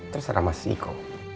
terserah mas iko